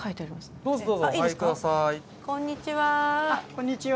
こんにちは。